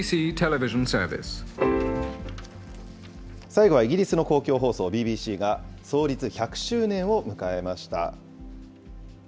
最後はイギリスの公共放送ＢＢＣが、創立１００周年を迎えました。